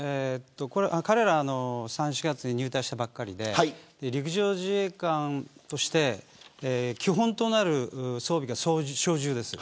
彼らは３、４月に入隊したばかりで陸上自衛官として基本となる装備が小銃です。